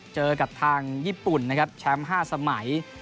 เจอกับทางญี่ปุ่นนะครับแชมป์๕สมัย